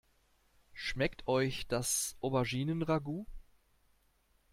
Schmeckt euch das Auberginen-Ragout?